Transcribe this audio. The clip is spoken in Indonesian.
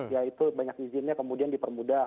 yaitu banyak izinnya kemudian dipermudah